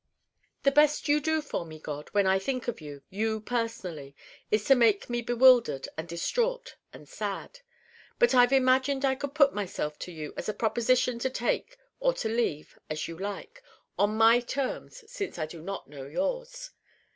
The best you do for me, God, when I think of you you personally is to make me bewildered and distraught and sad. But I've imagined I could put myself to you as a proposition to take or to leave as you like: on my terms since I do not know yours.